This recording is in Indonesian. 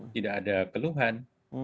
tidak ada keluhan